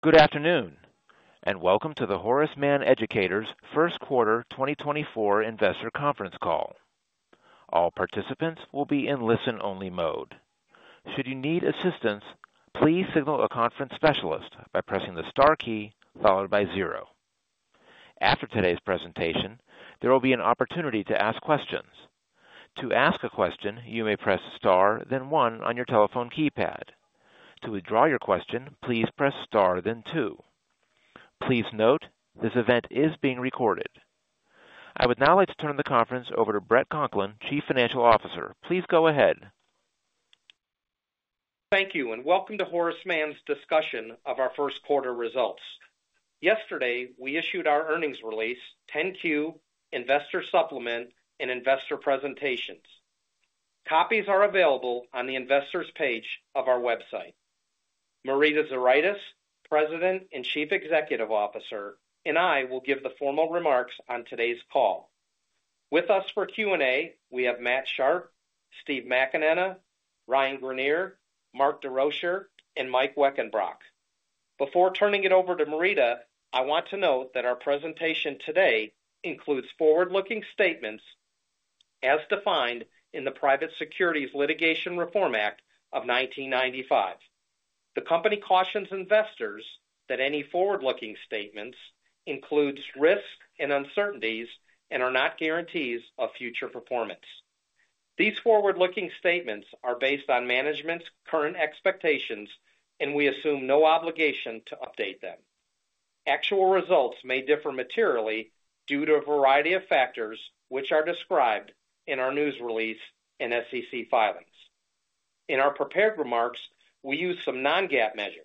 Good afternoon and welcome to the Horace Mann Educators first quarter 2024 investor conference call. All participants will be in listen-only mode. Should you need assistance, please signal a conference specialist by pressing the star key followed by 0. After today's presentation, there will be an opportunity to ask questions. To ask a question, you may press star then 1 on your telephone keypad. To withdraw your question, please press star then 2. Please note, this event is being recorded. I would now like to turn the conference over to Bret Conklin, Chief Financial Officer. Please go ahead. Thank you and welcome to Horace Mann's discussion of our first quarter results. Yesterday we issued our earnings release, 10-Q, investor supplement, and investor presentations. Copies are available on the investors page of our website. Marita Zuraitis, President and Chief Executive Officer, and I will give the formal remarks on today's call. With us for Q&A we have Matt Sharpe, Steve McAnena, Ryan Greenier, Mark Desrochers, and Mike Weckenbrock. Before turning it over to Marita, I want to note that our presentation today includes forward-looking statements as defined in the Private Securities Litigation Reform Act of 1995. The company cautions investors that any forward-looking statements includes risks and uncertainties and are not guarantees of future performance. These forward-looking statements are based on management's current expectations and we assume no obligation to update them. Actual results may differ materially due to a variety of factors which are described in our news release and SEC filings. In our prepared remarks, we use some non-GAAP measures.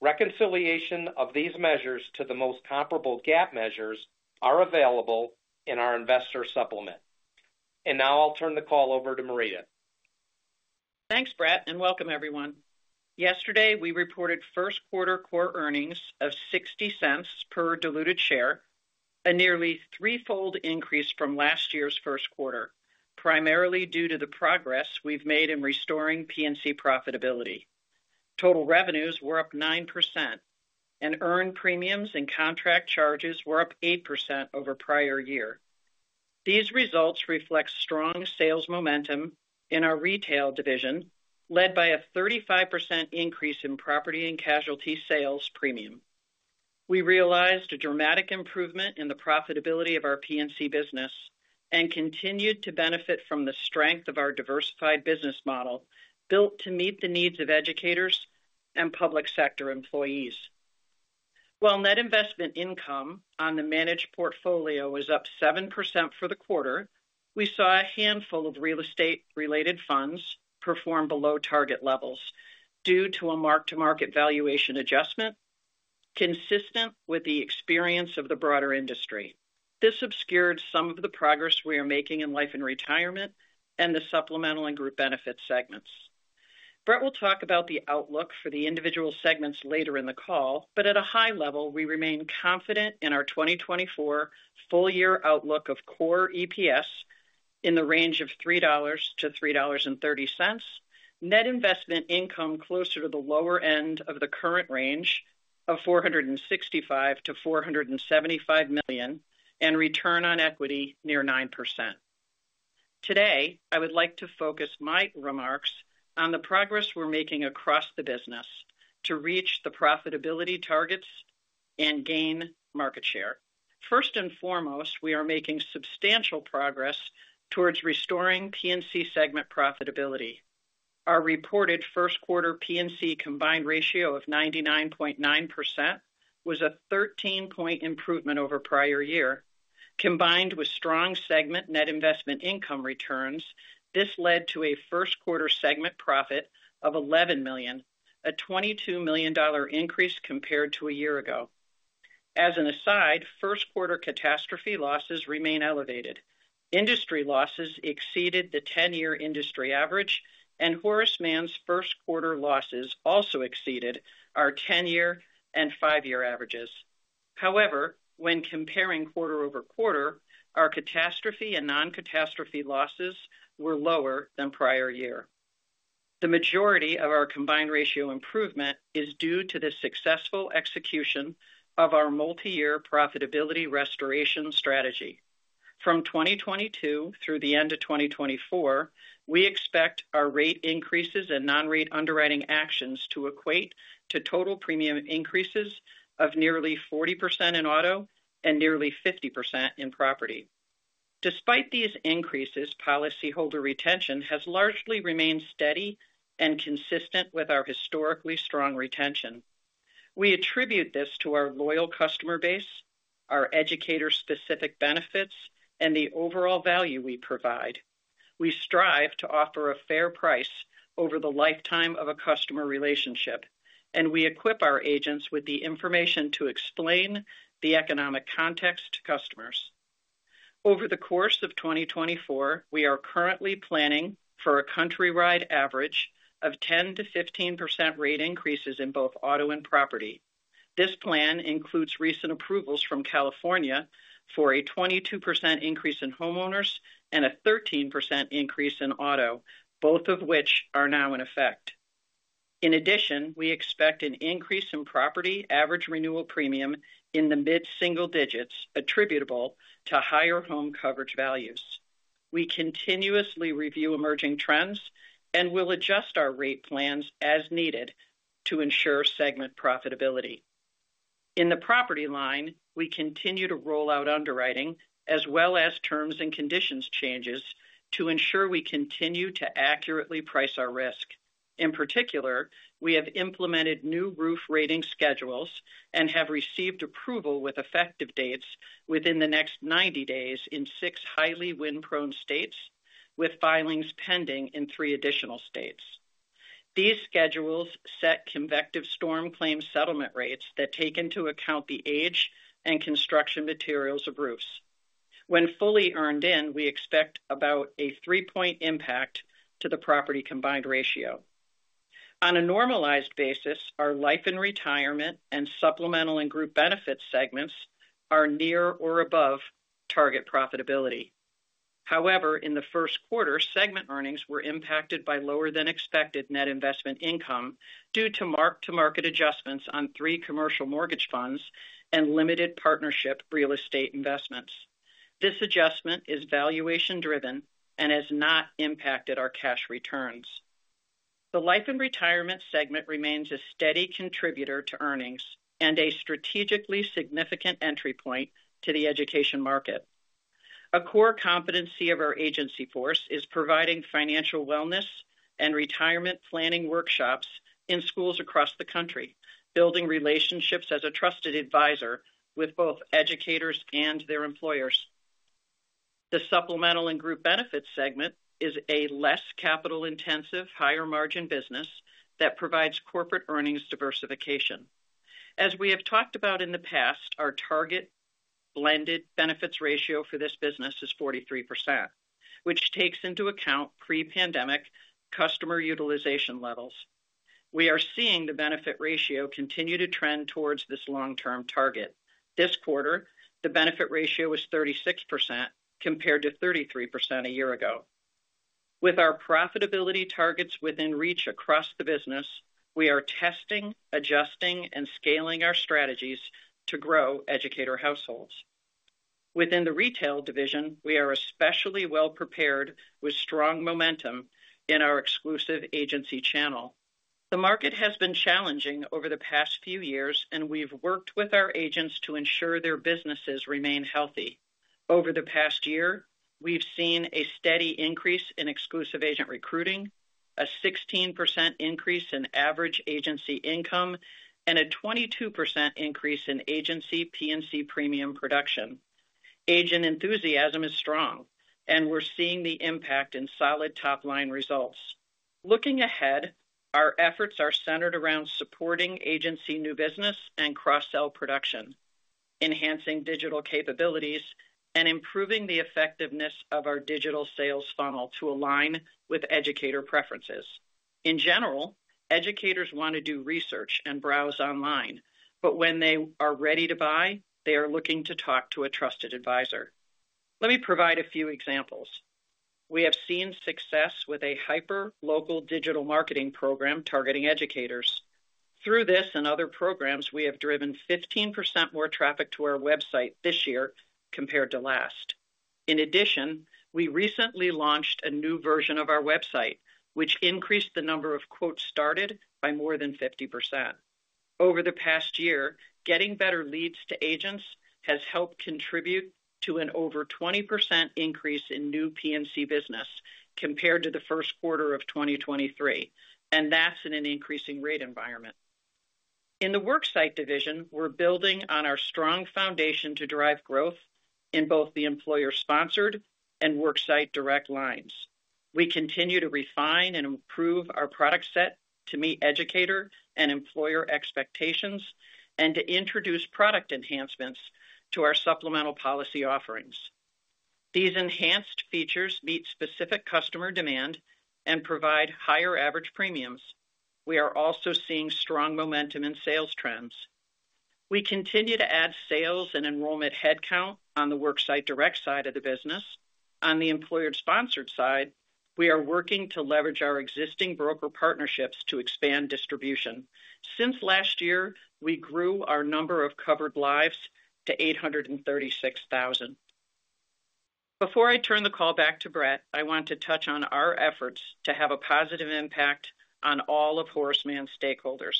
Reconciliation of these measures to the most comparable GAAP measures are available in our investor supplement. Now I'll turn the call over to Marita. Thanks, Bret, and welcome everyone. Yesterday we reported first quarter core earnings of $0.60 per diluted share, a nearly threefold increase from last year's first quarter, primarily due to the progress we've made in restoring P&C profitability. Total revenues were up 9% and earned premiums and contract charges were up 8% over prior year. These results reflect strong sales momentum in our retail division led by a 35% increase in property and casualty sales premium. We realized a dramatic improvement in the profitability of our P&C business and continued to benefit from the strength of our diversified business model built to meet the needs of educators and public sector employees. While net investment income on the managed portfolio was up 7% for the quarter, we saw a handful of real estate-related funds perform below target levels due to a mark-to-market valuation adjustment consistent with the experience of the broader industry. This obscured some of the progress we are making in Life and Retirement and the Supplemental and Group Benefits segments. Bret will talk about the outlook for the individual segments later in the call, but at a high level we remain confident in our 2024 full-year outlook of core EPS in the range of $3-$3.30, net investment income closer to the lower end of the current range of $465 million-$475 million, and return on equity near 9%. Today I would like to focus my remarks on the progress we're making across the business to reach the profitability targets and gain market share. First and foremost, we are making substantial progress towards restoring P&C segment profitability. Our reported first quarter P&C combined ratio of 99.9% was a 13-point improvement over prior year. Combined with strong segment net investment income returns, this led to a first quarter segment profit of $11 million, a $22 million increase compared to a year ago. As an aside, first quarter catastrophe losses remain elevated. Industry losses exceeded the 10-year industry average, and Horace Mann's first quarter losses also exceeded our 10-year and 5-year averages. However, when comparing quarter-over-quarter, our catastrophe and non-catastrophe losses were lower than prior year. The majority of our combined ratio improvement is due to the successful execution of our multi-year profitability restoration strategy. From 2022 through the end of 2024, we expect our rate increases and non-rate underwriting actions to equate to total premium increases of nearly 40% in auto and nearly 50% in property. Despite these increases, policyholder retention has largely remained steady and consistent with our historically strong retention. We attribute this to our loyal customer base, our educator-specific benefits, and the overall value we provide. We strive to offer a fair price over the lifetime of a customer relationship, and we equip our agents with the information to explain the economic context to customers. Over the course of 2024, we are currently planning for a country-wide average of 10%-15% rate increases in both auto and property. This plan includes recent approvals from California for a 22% increase in homeowners and a 13% increase in auto, both of which are now in effect. In addition, we expect an increase in property average renewal premium in the mid-single digits attributable to higher home coverage values. We continuously review emerging trends and will adjust our rate plans as needed to ensure segment profitability. In the property line, we continue to roll out underwriting as well as terms and conditions changes to ensure we continue to accurately price our risk. In particular, we have implemented new roof rating schedules and have received approval with effective dates within the next 90 days in 6 highly wind-prone states, with filings pending in 3 additional states. These schedules set convective storm claim settlement rates that take into account the age and construction materials of roofs. When fully earned in, we expect about a 3-point impact to the property combined ratio. On a normalized basis, our life and retirement and supplemental and group benefits segments are near or above target profitability. However, in the first quarter, segment earnings were impacted by lower-than-expected net investment income due to mark-to-market adjustments on 3 commercial mortgage funds and limited partnership real estate investments. This adjustment is valuation-driven and has not impacted our cash returns. The Life and Retirement segment remains a steady contributor to earnings and a strategically significant entry point to the education market. A core competency of our agency force is providing financial wellness and retirement planning workshops in schools across the country, building relationships as a trusted advisor with both educators and their employers. The Supplemental and Group Benefits segment is a less capital-intensive, higher-margin business that provides corporate earnings diversification. As we have talked about in the past, our target blended benefits ratio for this business is 43%, which takes into account pre-pandemic customer utilization levels. We are seeing the benefit ratio continue to trend towards this long-term target. This quarter, the benefit ratio was 36% compared to 33% a year ago. With our profitability targets within reach across the business, we are testing, adjusting, and scaling our strategies to grow educator households. Within the retail division, we are especially well-prepared with strong momentum in our exclusive agency channel. The market has been challenging over the past few years, and we've worked with our agents to ensure their businesses remain healthy. Over the past year, we've seen a steady increase in exclusive agent recruiting, a 16% increase in average agency income, and a 22% increase in agency P&C premium production. Agent enthusiasm is strong, and we're seeing the impact in solid top-line results. Looking ahead, our efforts are centered around supporting agency new business and cross-sell production, enhancing digital capabilities, and improving the effectiveness of our digital sales funnel to align with educator preferences. In general, educators want to do research and browse online, but when they are ready to buy, they are looking to talk to a trusted advisor. Let me provide a few examples. We have seen success with a hyper-local digital marketing program targeting educators. Through this and other programs, we have driven 15% more traffic to our website this year compared to last. In addition, we recently launched a new version of our website, which increased the number of "started" by more than 50%. Over the past year, getting better leads to agents has helped contribute to an over 20% increase in new P&C business compared to the first quarter of 2023, and that's in an increasing rate environment. In the worksite division, we're building on our strong foundation to drive growth in both the employer-sponsored and worksite direct lines. We continue to refine and improve our product set to meet educator and employer expectations and to introduce product enhancements to our supplemental policy offerings. These enhanced features meet specific customer demand and provide higher average premiums. We are also seeing strong momentum in sales trends. We continue to add sales and enrollment headcount on the worksite direct side of the business. On the employer-sponsored side, we are working to leverage our existing broker partnerships to expand distribution. Since last year, we grew our number of covered lives to 836,000. Before I turn the call back to Bret, I want to touch on our efforts to have a positive impact on all of Horace Mann's stakeholders.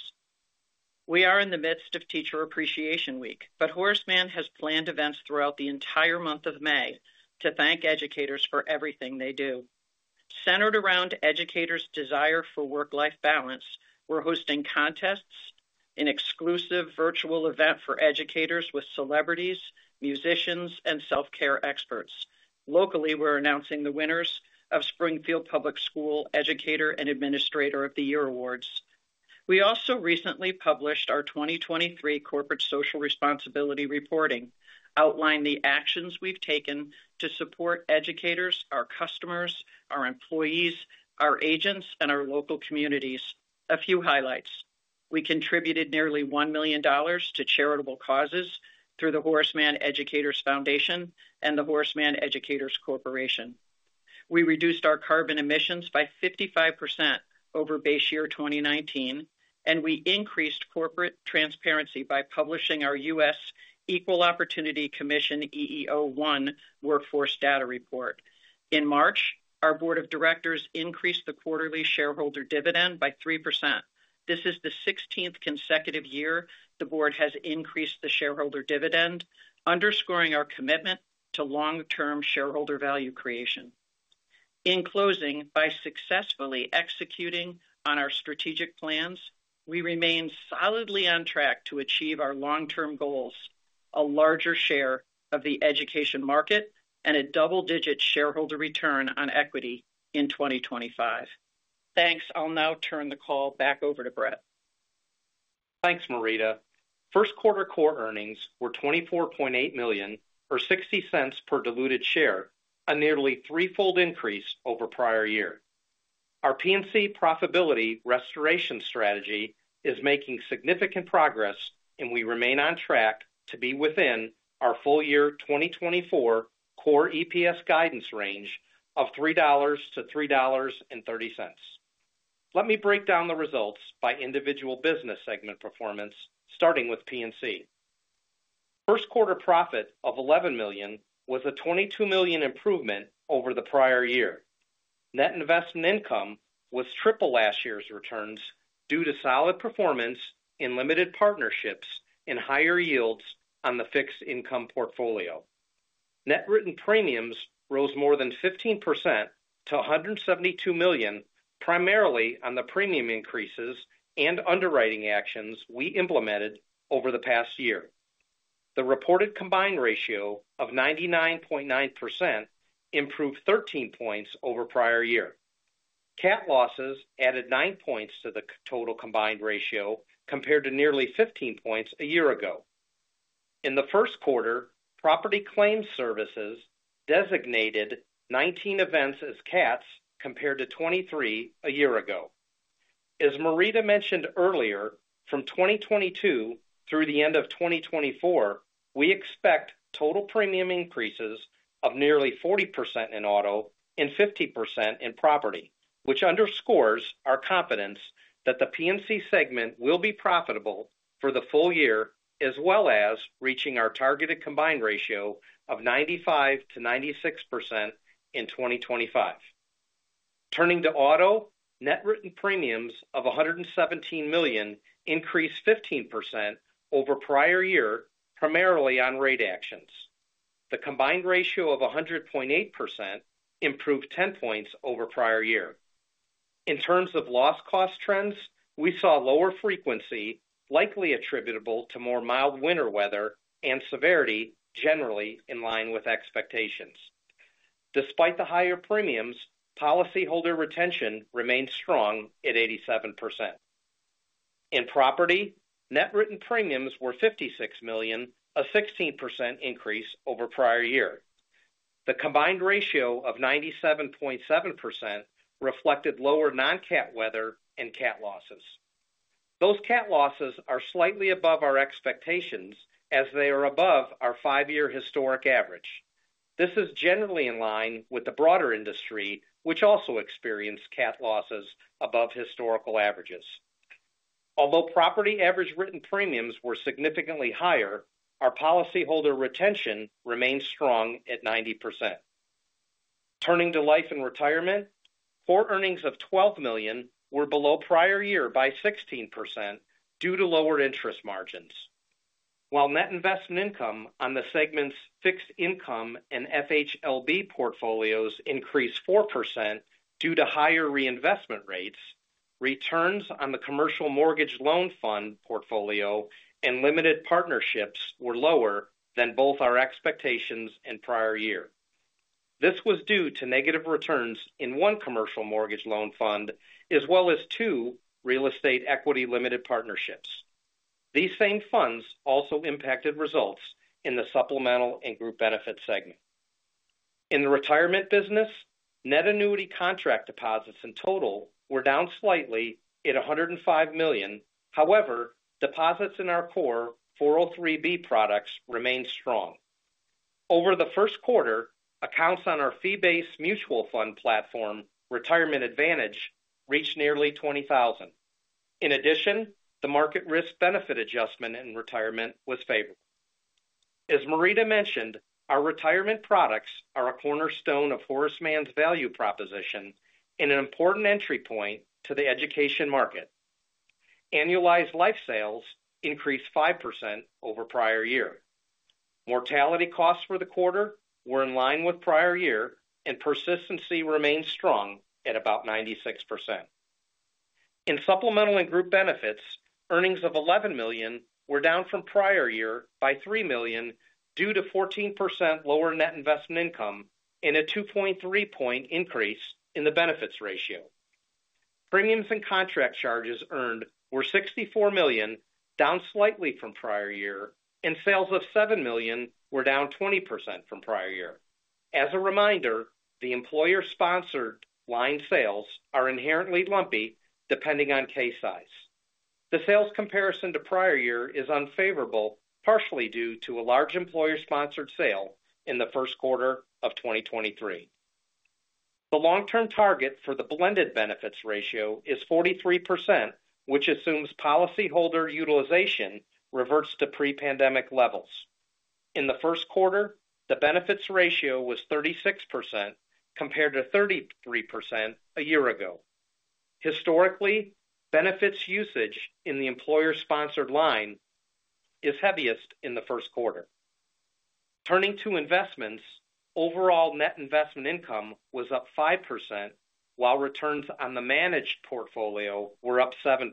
We are in the midst of Teacher Appreciation Week, but Horace Mann has planned events throughout the entire month of May to thank educators for everything they do. Centered around educators' desire for work-life balance, we're hosting contests, an exclusive virtual event for educators with celebrities, musicians, and self-care experts. Locally, we're announcing the winners of Springfield Public Schools Educator and Administrator of the Year Awards. We also recently published our 2023 Corporate Social Responsibility Reporting, outlining the actions we've taken to support educators, our customers, our employees, our agents, and our local communities. A few highlights. We contributed nearly $1 million to charitable causes through the Horace Mann Educators Foundation and the Horace Mann Educators Corporation. We reduced our carbon emissions by 55% over base year 2019, and we increased corporate transparency by publishing our U.S. Equal Employment Opportunity Commission EEO-1 Workforce Data Report. In March, our board of directors increased the quarterly shareholder dividend by 3%. This is the 16th consecutive year the board has increased the shareholder dividend, underscoring our commitment to long-term shareholder value creation. In closing, by successfully executing on our strategic plans, we remain solidly on track to achieve our long-term goals: a larger share of the education market and a double-digit shareholder return on equity in 2025. Thanks. I'll now turn the call back over to Bret. Thanks, Marita. First quarter core earnings were $24.8 million or $0.60 per diluted share, a nearly threefold increase over prior year. Our P&C profitability restoration strategy is making significant progress, and we remain on track to be within our full-year 2024 core EPS guidance range of $3-$3.30. Let me break down the results by individual business segment performance, starting with P&C. First quarter profit of $11 million was a $22 million improvement over the prior year. Net investment income was triple last year's returns due to solid performance in limited partnerships and higher yields on the fixed income portfolio. Net written premiums rose more than 15% to $172 million, primarily on the premium increases and underwriting actions we implemented over the past year. The reported combined ratio of 99.9% improved 13 points over prior year. CAT losses added 9 points to the total combined ratio compared to nearly 15 points a year ago. In the first quarter, Property Claim Services designated 19 events as CATs compared to 23 a year ago. As Marita mentioned earlier, from 2022 through the end of 2024, we expect total premium increases of nearly 40% in auto and 50% in property, which underscores our confidence that the P&C segment will be profitable for the full year as well as reaching our targeted combined ratio of 95%-96% in 2025. Turning to auto, net written premiums of $117 million increased 15% over prior year, primarily on rate actions. The combined ratio of 100.8% improved 10 points over prior year. In terms of loss-cost trends, we saw lower frequency, likely attributable to more mild winter weather and severity, generally in line with expectations. Despite the higher premiums, policyholder retention remained strong at 87%. In property, net written premiums were $56 million, a 16% increase over prior year. The combined ratio of 97.7% reflected lower non-CAT weather and CAT losses. Those CAT losses are slightly above our expectations as they are above our five-year historic average. This is generally in line with the broader industry, which also experienced CAT losses above historical averages. Although property average written premiums were significantly higher, our policyholder retention remained strong at 90%. Turning to life and retirement, core earnings of $12 million were below prior year by 16% due to lower interest margins. While net investment income on the segments fixed income and FHLB portfolios increased 4% due to higher reinvestment rates, returns on the commercial mortgage loan fund portfolio and limited partnerships were lower than both our expectations and prior year. This was due to negative returns in one commercial mortgage loan fund as well as two real estate equity limited partnerships. These same funds also impacted results in the supplemental and group benefit segment. In the retirement business, net annuity contract deposits in total were down slightly at $105 million. However, deposits in our core 403(b) products remained strong. Over the first quarter, accounts on our fee-based mutual fund platform, Retirement Advantage, reached nearly 20,000. In addition, the market risk-benefit adjustment in retirement was favorable. As Marita mentioned, our retirement products are a cornerstone of Horace Mann's value proposition and an important entry point to the education market. Annualized life sales increased 5% over prior year. Mortality costs for the quarter were in line with prior year, and persistency remained strong at about 96%. In Supplemental and Group Benefits, earnings of $11 million were down from prior year by $3 million due to 14% lower net investment income and a 2.3-point increase in the benefits ratio. Premiums and contract charges earned were $64 million, down slightly from prior year, and sales of $7 million were down 20% from prior year. As a reminder, the employer-sponsored line sales are inherently lumpy depending on case size. The sales comparison to prior year is unfavorable, partially due to a large employer-sponsored sale in the first quarter of 2023. The long-term target for the blended benefits ratio is 43%, which assumes policyholder utilization reverts to pre-pandemic levels. In the first quarter, the benefits ratio was 36% compared to 33% a year ago. Historically, benefits usage in the employer-sponsored line is heaviest in the first quarter. Turning to investments, overall net investment income was up 5% while returns on the managed portfolio were up 7%.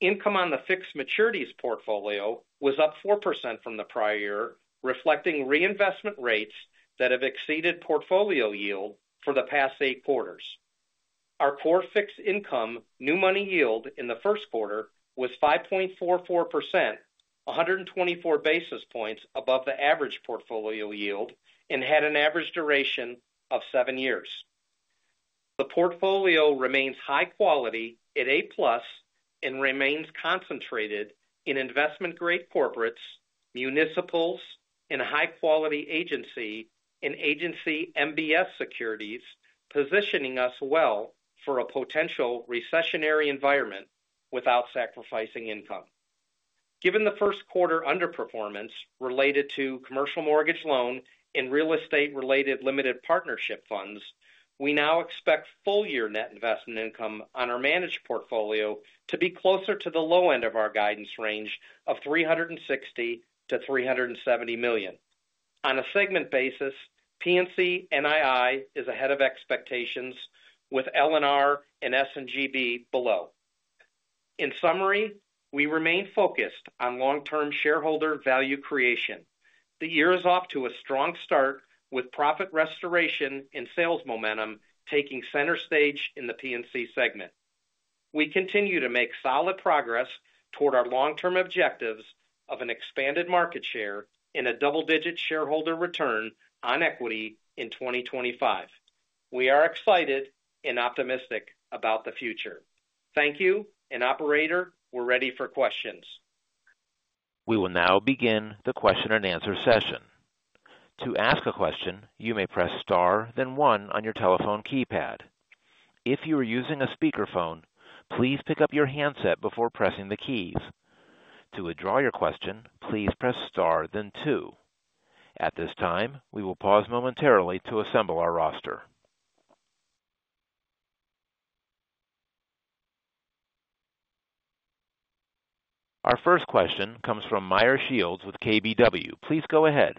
Income on the fixed maturities portfolio was up 4% from the prior year, reflecting reinvestment rates that have exceeded portfolio yield for the past eight quarters. Our core fixed income new money yield in the first quarter was 5.44%, 124 basis points above the average portfolio yield, and had an average duration of seven years. The portfolio remains high quality at A+ and remains concentrated in investment-grade corporates, municipals, and high-quality agency and agency MBS securities, positioning us well for a potential recessionary environment without sacrificing income. Given the first quarter underperformance related to commercial mortgage loan and real estate-related limited partnership funds, we now expect full-year net investment income on our managed portfolio to be closer to the low end of our guidance range of $360 million-$370 million. On a segment basis, P&C NII is ahead of expectations, with L&R and S&GB below. In summary, we remain focused on long-term shareholder value creation. The year is off to a strong start with profit restoration and sales momentum taking center stage in the P&C segment. We continue to make solid progress toward our long-term objectives of an expanded market share and a double-digit shareholder return on equity in 2025. We are excited and optimistic about the future. Thank you, and operator, we're ready for questions. We will now begin the question-and-answer session. To ask a question, you may press * then 1 on your telephone keypad. If you are using a speakerphone, please pick up your handset before pressing the keys. To withdraw your question, please press * then 2. At this time, we will pause momentarily to assemble our roster. Our first question comes from Meyer Shields with KBW. Please go ahead.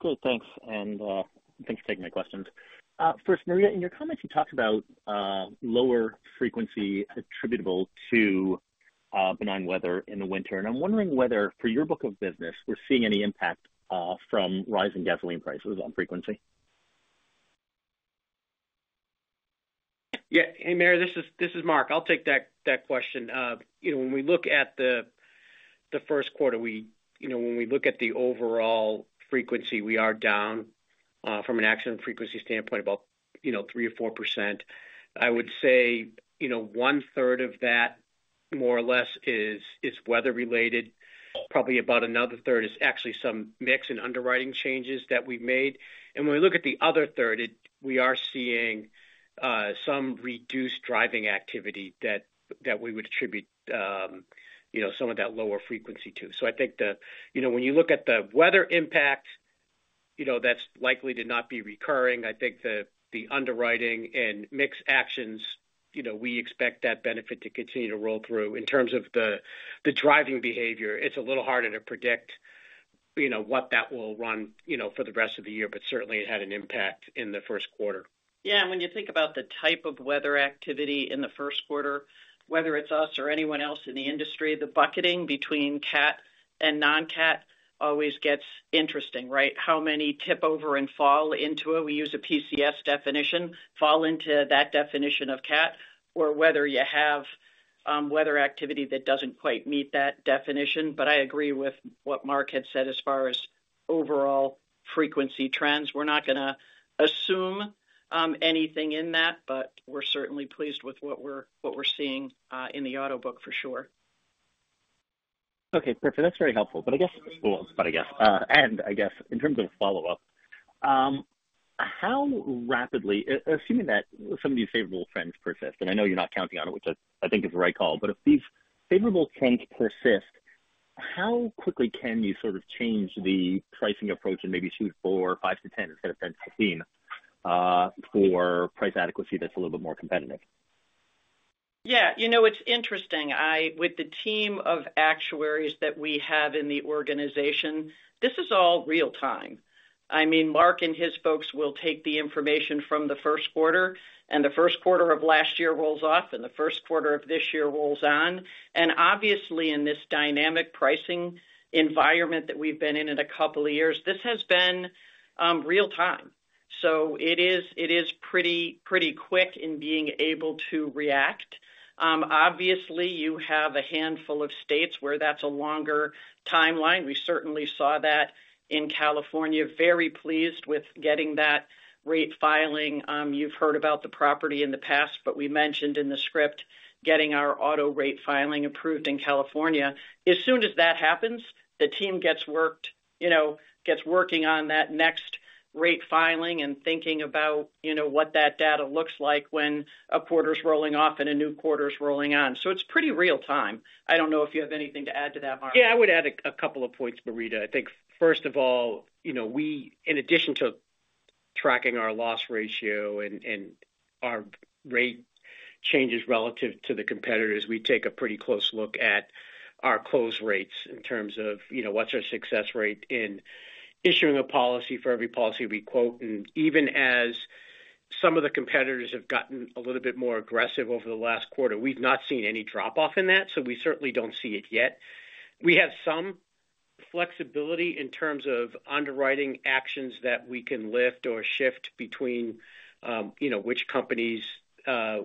Good. Thanks. And thanks for taking my questions. First, Marita, in your comments, you talked about lower frequency attributable to benign weather in the winter. And I'm wondering whether, for your book of business, we're seeing any impact from rising gasoline prices on frequency? Yeah. Hey, Marita. This is Mark. I'll take that question. When we look at the first quarter, when we look at the overall frequency, we are down from an accident frequency standpoint about 3%-4%. I would say one-third of that, more or less, is weather-related. Probably about another third is actually some mix and underwriting changes that we've made. And when we look at the other third, we are seeing some reduced driving activity that we would attribute some of that lower frequency to. So I think when you look at the weather impact, that's likely to not be recurring. I think the underwriting and mixed actions, we expect that benefit to continue to roll through. In terms of the driving behavior, it's a little harder to predict what that will run for the rest of the year, but certainly, it had an impact in the first quarter. Yeah. And when you think about the type of weather activity in the first quarter, whether it's us or anyone else in the industry, the bucketing between CAT and non-CAT always gets interesting, right? How many tip over and fall into? We use a PCS definition, fall into that definition of CAT, or whether you have weather activity that doesn't quite meet that definition. But I agree with what Mark had said as far as overall frequency trends. We're not going to assume anything in that, but we're certainly pleased with what we're seeing in the auto book, for sure. Okay. Perfect. That's very helpful. But I guess. And I guess in terms of a follow-up, how rapidly, assuming that some of these favorable trends persist and I know you're not counting on it, which I think is the right call. But if these favorable trends persist, how quickly can you sort of change the pricing approach and maybe choose 4, 5 to 10 instead of 10-15 for price adequacy that's a little bit more competitive? Yeah. It's interesting. With the team of actuaries that we have in the organization, this is all real-time. I mean, Mark and his folks will take the information from the first quarter, and the first quarter of last year rolls off, and the first quarter of this year rolls on. And obviously, in this dynamic pricing environment that we've been in in a couple of years, this has been real-time. So it is pretty quick in being able to react. Obviously, you have a handful of states where that's a longer timeline. We certainly saw that in California, very pleased with getting that rate filing. You've heard about the property in the past, but we mentioned in the script getting our auto rate filing approved in California. As soon as that happens, the team gets working on that next rate filing and thinking about what that data looks like when a quarter's rolling off and a new quarter's rolling on. So it's pretty real-time. I don't know if you have anything to add to that, Mark. Yeah. I would add a couple of points, Marita. I think, first of all, in addition to tracking our loss ratio and our rate changes relative to the competitors, we take a pretty close look at our close rates in terms of what's our success rate in issuing a policy for every policy we quote. And even as some of the competitors have gotten a little bit more aggressive over the last quarter, we've not seen any drop-off in that, so we certainly don't see it yet. We have some flexibility in terms of underwriting actions that we can lift or shift between which companies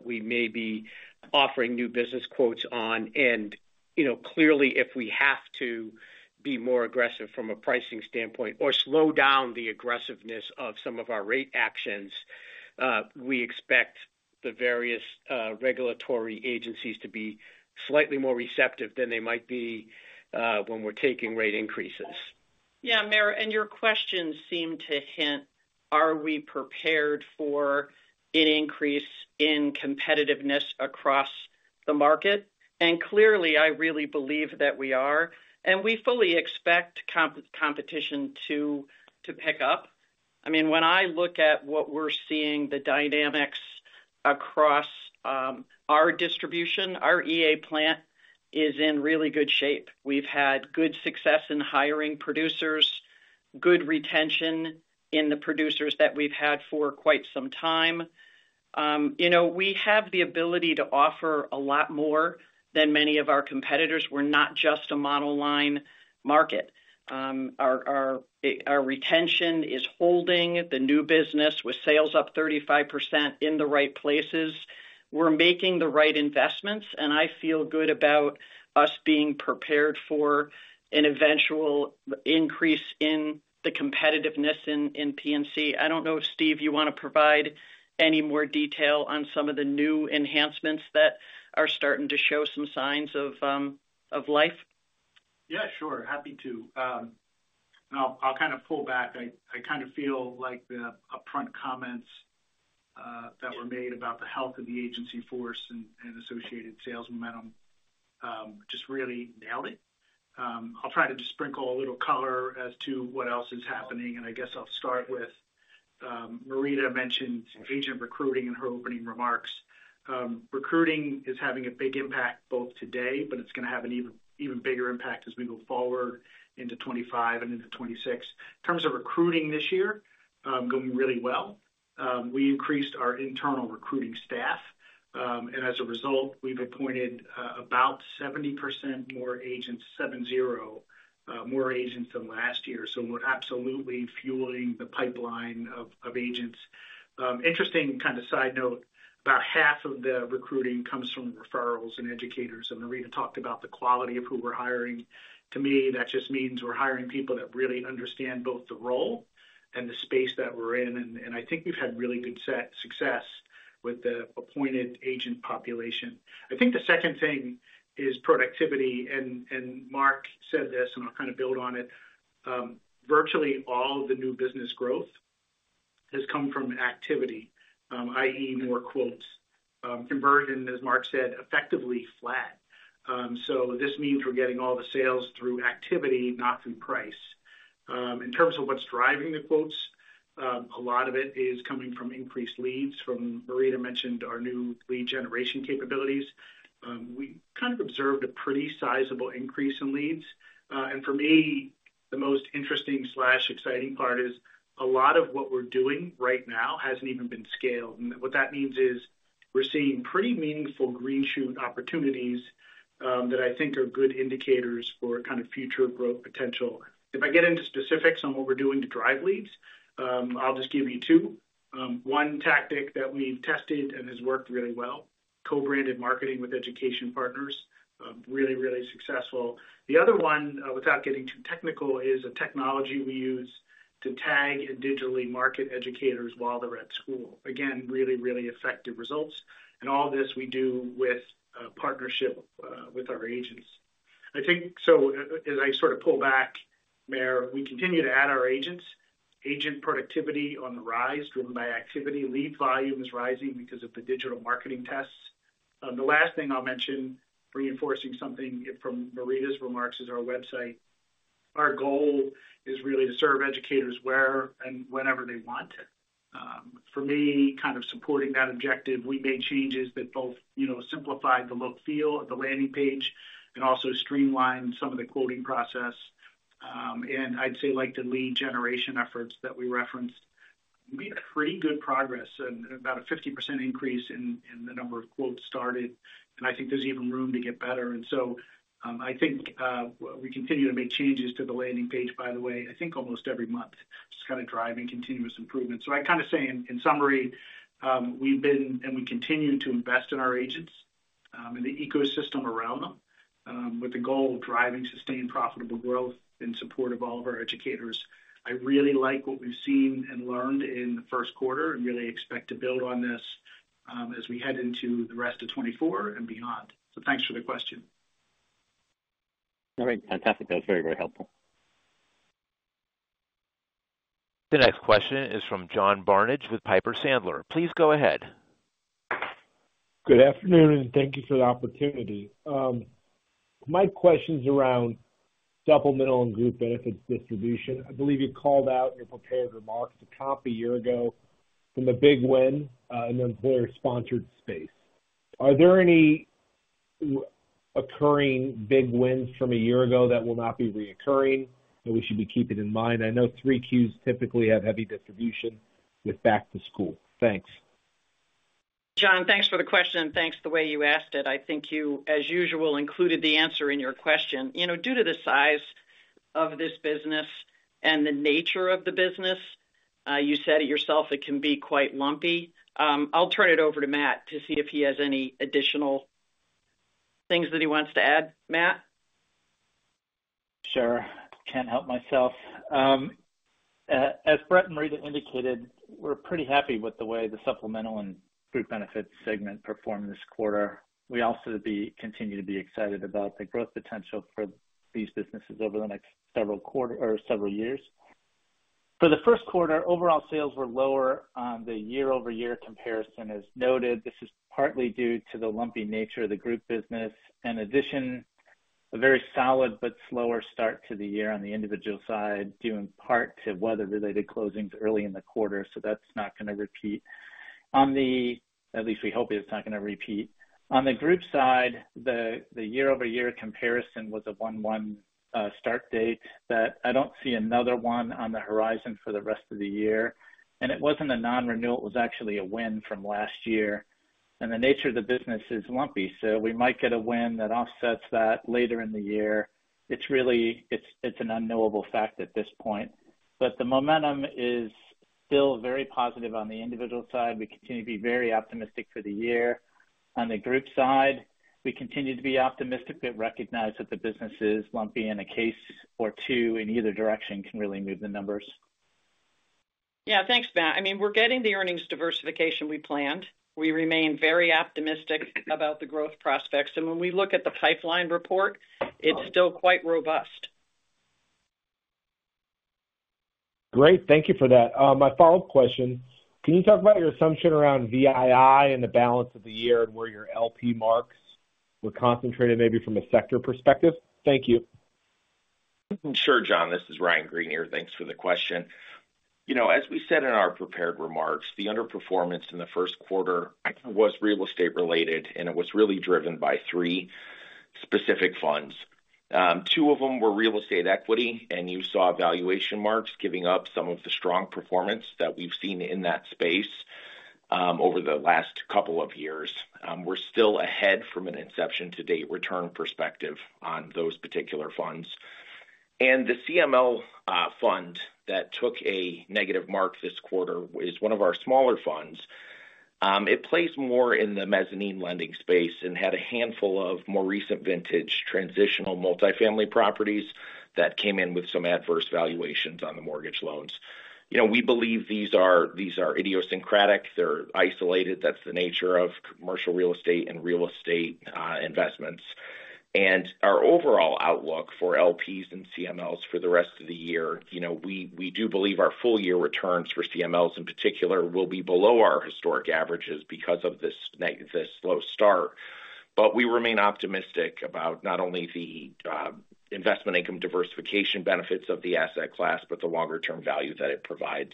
we may be offering new business quotes on. And clearly, if we have to be more aggressive from a pricing standpoint or slow down the aggressiveness of some of our rate actions, we expect the various regulatory agencies to be slightly more receptive than they might be when we're taking rate increases. Yeah. Meyer, and your questions seem to hint, are we prepared for an increase in competitiveness across the market? And clearly, I really believe that we are, and we fully expect competition to pick up. I mean, when I look at what we're seeing, the dynamics across our distribution, our EA plan is in really good shape. We've had good success in hiring producers, good retention in the producers that we've had for quite some time. We have the ability to offer a lot more than many of our competitors. We're not just a multi-line market. Our retention is holding the new business with sales up 35% in the right places. We're making the right investments, and I feel good about us being prepared for an eventual increase in the competitiveness in P&C. I don't know if, Steve, you want to provide any more detail on some of the new enhancements that are starting to show some signs of life. Yeah. Sure. Happy to. And I'll kind of pull back. I kind of feel like the upfront comments that were made about the health of the agency force and associated sales momentum just really nailed it. I'll try to just sprinkle a little color as to what else is happening. And I guess I'll start with Marita mentioned agent recruiting in her opening remarks. Recruiting is having a big impact both today, but it's going to have an even bigger impact as we go forward into 2025 and into 2026. In terms of recruiting this year, going really well. We increased our internal recruiting staff. As a result, we've appointed about 70% more agents, 70 more agents than last year. So we're absolutely fueling the pipeline of agents. Interesting kind of side note, about half of the recruiting comes from referrals and educators. Marita talked about the quality of who we're hiring. To me, that just means we're hiring people that really understand both the role and the space that we're in. I think we've had really good success with the appointed agent population. I think the second thing is productivity. Mark said this, and I'll kind of build on it. Virtually all of the new business growth has come from activity, i.e., more quotes. Conversion, as Mark said, effectively flat. So this means we're getting all the sales through activity, not through price. In terms of what's driving the quotes, a lot of it is coming from increased leads. As Marita mentioned our new lead generation capabilities. We kind of observed a pretty sizable increase in leads. And for me, the most interesting/exciting part is a lot of what we're doing right now hasn't even been scaled. And what that means is we're seeing pretty meaningful green shoot opportunities that I think are good indicators for kind of future growth potential. If I get into specifics on what we're doing to drive leads, I'll just give you two. One tactic that we've tested and has worked really well, co-branded marketing with education partners, really, really successful. The other one, without getting too technical, is a technology we use to tag and digitally market educators while they're at school. Again, really, really effective results. All of this we do with partnership with our agents. So as I sort of pull back, Mara, we continue to add our agents. Agent productivity on the rise driven by activity. Lead volume is rising because of the digital marketing tests. The last thing I'll mention, reinforcing something from Marita's remarks, is our website. Our goal is really to serve educators where and whenever they want. For me, kind of supporting that objective, we made changes that both simplified the look/feel of the landing page and also streamlined some of the quoting process. And I'd say, like the lead generation efforts that we referenced, we made pretty good progress, about a 50% increase in the number of quotes started. I think there's even room to get better. So I think we continue to make changes to the landing page, by the way. I think almost every month, just kind of driving continuous improvement. So I kind of say, in summary, we've been and we continue to invest in our agents and the ecosystem around them with the goal of driving sustained profitable growth in support of all of our educators. I really like what we've seen and learned in the first quarter and really expect to build on this as we head into the rest of 2024 and beyond. So thanks for the question. All right. Fantastic. That was very, very helpful. The next question is from John Barnage with Piper Sandler. Please go ahead. Good afternoon, and thank you for the opportunity. My question's around Supplemental and Group Benefits distribution. I believe you called out in your prepared remarks a comp a year ago from a big win in the employer-sponsored space. Are there any recurring big wins from a year ago that will not be recurring that we should be keeping in mind? I know 3 Qs typically have heavy distribution with back-to-school. Thanks. John, thanks for the question. Thanks for the way you asked it. I think you, as usual, included the answer in your question. Due to the size of this business and the nature of the business, you said it yourself, it can be quite lumpy. I'll turn it over to Matt to see if he has any additional things that he wants to add. Matt? Sure. Can't help myself. As Bret and Marita indicated, we're pretty happy with the way the Supplemental and Group Benefits segment performed this quarter. We also continue to be excited about the growth potential for these businesses over the next several years. For the first quarter, overall sales were lower on the year-over-year comparison, as noted. This is partly due to the lumpy nature of the group business. In addition, a very solid but slower start to the year on the individual side, due in part to weather-related closings early in the quarter. So that's not going to repeat. At least we hope it's not going to repeat. On the group side, the year-over-year comparison was a 1.1 start date. I don't see another one on the horizon for the rest of the year. It wasn't a non-renewal. It was actually a win from last year. The nature of the business is lumpy, so we might get a win that offsets that later in the year. It's an unknowable fact at this point. But the momentum is still very positive on the individual side. We continue to be very optimistic for the year. On the group side, we continue to be optimistic, but recognize that the business is lumpy, and a case or two in either direction can really move the numbers. Yeah. Thanks, Matt. I mean, we're getting the earnings diversification we planned. We remain very optimistic about the growth prospects. And when we look at the pipeline report, it's still quite robust. Great. Thank you for that. My follow-up question, can you talk about your assumption around NII and the balance of the year and where your LP marks were concentrated, maybe from a sector perspective? Thank you. Sure, John. This is Ryan Greenier. Thanks for the question. As we said in our prepared remarks, the underperformance in the first quarter was real estate-related, and it was really driven by three specific funds. Two of them were real estate equity, and you saw valuation marks giving up some of the strong performance that we've seen in that space over the last couple of years. We're still ahead from an inception-to-date return perspective on those particular funds. And the CML fund that took a negative mark this quarter is one of our smaller funds. It plays more in the mezzanine lending space and had a handful of more recent vintage transitional multifamily properties that came in with some adverse valuations on the mortgage loans. We believe these are idiosyncratic. They're isolated. That's the nature of commercial real estate and real estate investments. Our overall outlook for LPs and CMLs for the rest of the year, we do believe our full-year returns for CMLs in particular will be below our historic averages because of this slow start. We remain optimistic about not only the investment income diversification benefits of the asset class but the longer-term value that it provides.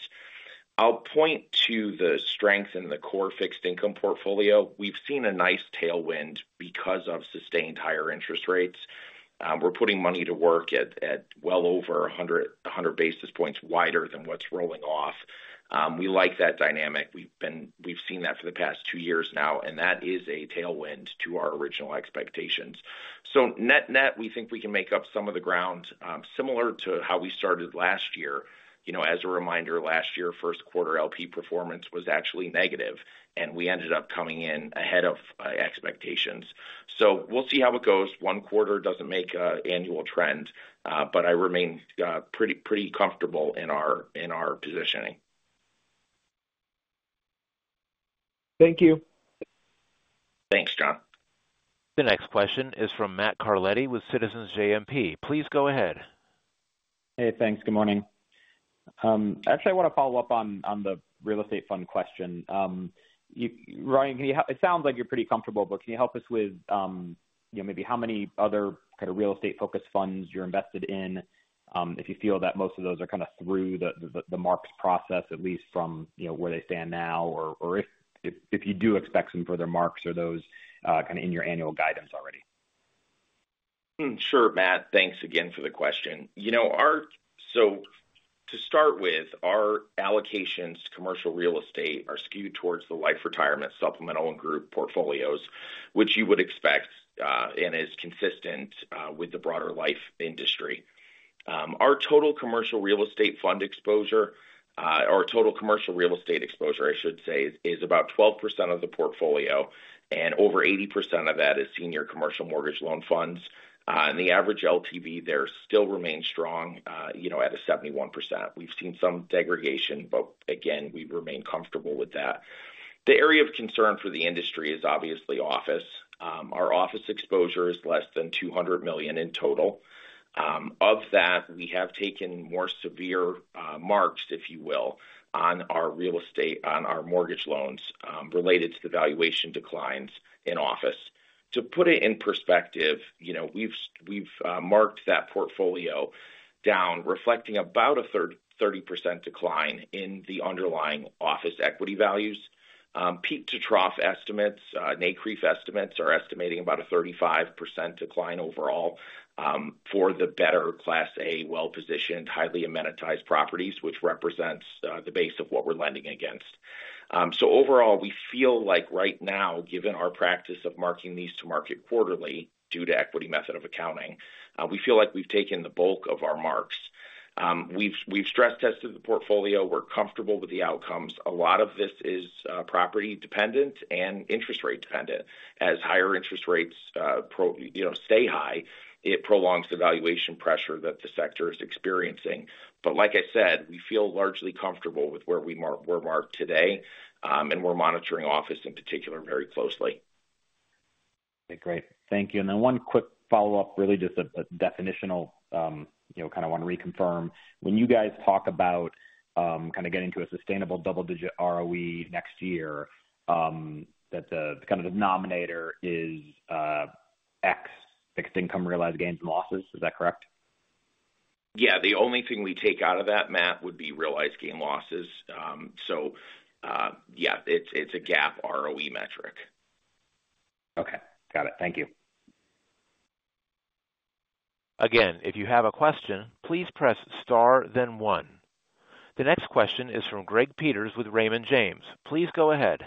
I'll point to the strength in the core fixed income portfolio. We've seen a nice tailwind because of sustained higher interest rates. We're putting money to work at well over 100 basis points wider than what's rolling off. We like that dynamic. We've seen that for the past two years now, and that is a tailwind to our original expectations. Net-net, we think we can make up some of the ground similar to how we started last year. As a reminder, last year, first quarter LP performance was actually negative, and we ended up coming in ahead of expectations. So we'll see how it goes. One quarter doesn't make an annual trend, but I remain pretty comfortable in our positioning. Thank you. Thanks, John. The next question is from Matt Carletti with Citizens JMP. Please go ahead. Hey. Thanks. Good morning. Actually, I want to follow up on the real estate fund question. Ryan, it sounds like you're pretty comfortable, but can you help us with maybe how many other kind of real estate-focused funds you're invested in, if you feel that most of those are kind of through the marks process, at least from where they stand now, or if you do expect some further marks or those kind of in your annual guidance already? Sure, Matt. Thanks again for the question. So to start with, our allocations to commercial real estate are skewed towards the life retirement supplemental and group portfolios, which you would expect and is consistent with the broader life industry. Our total commercial real estate fund exposure our total commercial real estate exposure, I should say, is about 12% of the portfolio, and over 80% of that is senior commercial mortgage loan funds. In the average LTV, there still remains strong at a 71%. We've seen some degradation, but again, we remain comfortable with that. The area of concern for the industry is obviously office. Our office exposure is less than $200 million in total. Of that, we have taken more severe marks, if you will, on our mortgage loans related to the valuation declines in office. To put it in perspective, we've marked that portfolio down, reflecting about a 30% decline in the underlying office equity values. Peak-to-trough estimates, NCREIF estimates, are estimating about a 35% decline overall for the better Class A well-positioned, highly amenitized properties, which represents the base of what we're lending against. So overall, we feel like right now, given our practice of marking these to market quarterly due to equity method of accounting, we feel like we've taken the bulk of our marks. We've stress-tested the portfolio. We're comfortable with the outcomes. A lot of this is property-dependent and interest-rate-dependent. As higher interest rates stay high, it prolongs the valuation pressure that the sector is experiencing. But like I said, we feel largely comfortable with where we're marked today, and we're monitoring office in particular very closely. Okay. Great. Thank you. And then one quick follow-up, really just a definitional kind of want to reconfirm. When you guys talk about kind of getting to a sustainable double-digit ROE next year, that kind of the numerator is ex fixed income realized gains and losses. Is that correct? Yeah. The only thing we take out of that, Matt, would be realized gains losses. So yeah, it's a GAAP ROE metric. Okay. Got it. Thank you. Again, if you have a question, please press star, then one. The next question is from Greg Peters with Raymond James. Please go ahead.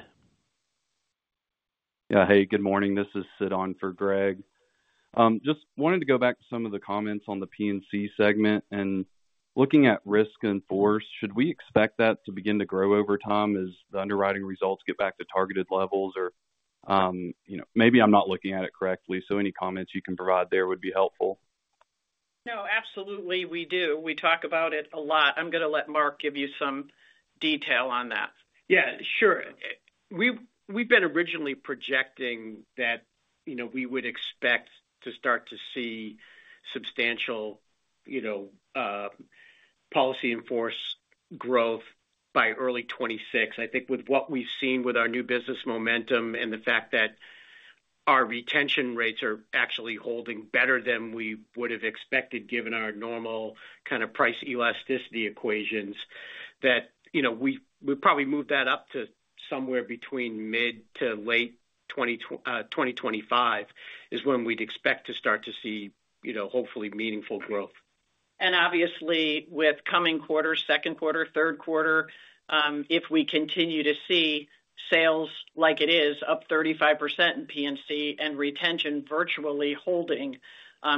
Yeah. Hey. Good morning. This is Sid on for Greg. Just wanted to go back to some of the comments on the P&C segment. Looking at reinsurance, should we expect that to begin to grow over time as the underwriting results get back to targeted levels? Or maybe I'm not looking at it correctly, so any comments you can provide there would be helpful. No, absolutely. We do. We talk about it a lot. I'm going to let Mark give you some detail on that. Yeah. Sure. We've been originally projecting that we would expect to start to see substantial policy in-force growth by early 2026. I think with what we've seen with our new business momentum and the fact that our retention rates are actually holding better than we would have expected given our normal kind of price elasticity equations, that we'd probably move that up to somewhere between mid- to late 2025 is when we'd expect to start to see, hopefully, meaningful growth. And obviously, with coming quarter, second quarter, third quarter, if we continue to see sales like it is, up 35% in P&C, and retention virtually holding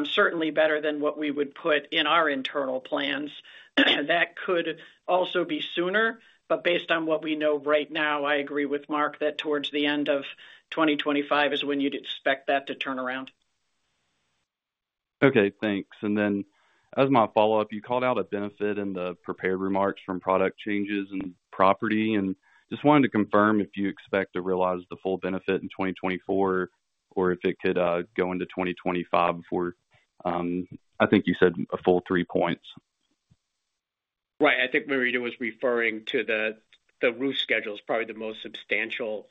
certainly better than what we would put in our internal plans, that could also be sooner. But based on what we know right now, I agree with Mark that towards the end of 2025 is when you'd expect that to turn around. Okay. Thanks. And then as my follow-up, you called out a benefit in the prepared remarks from product changes and property. And just wanted to confirm if you expect to realize the full benefit in 2024 or if it could go into 2025 before I think you said a full three points? Right. I think Marita was referring to the roof schedule as probably the most substantial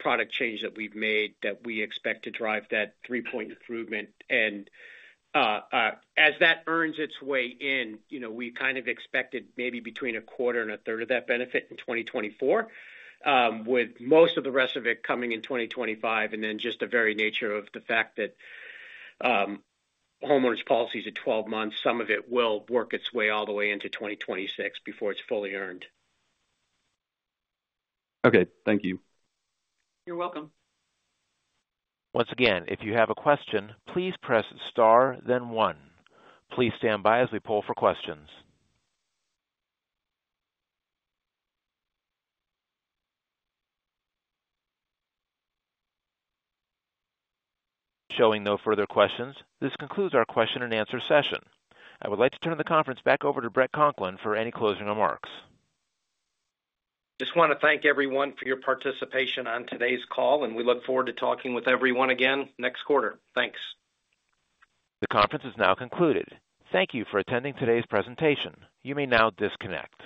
product change that we've made that we expect to drive that three-point improvement. And as that earns its way in, we kind of expected maybe between a quarter and a third of that benefit in 2024, with most of the rest of it coming in 2025. And then just the very nature of the fact that homeowners' policies are 12 months, some of it will work its way all the way into 2026 before it's fully earned. Okay. Thank you. You're welcome. Once again, if you have a question, please press star, then one. Please stand by as we poll for questions. Showing no further questions. This concludes our question-and-answer session. I would like to turn the conference back over to Bret Conklin for any closing remarks. Just want to thank everyone for your participation on today's call, and we look forward to talking with everyone again next quarter. Thanks. The conference is now concluded. Thank you for attending today's presentation. You may now disconnect.